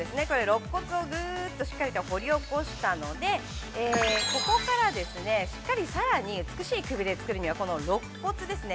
ろっ骨をしっかり掘り起こしたので、ここからしっかりさらに、美しいくびれを作るのは、このろっ骨ですね。